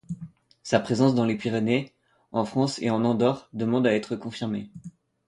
Sa présence dans les Pyrénées en France et en Andorre demande à être confirmée.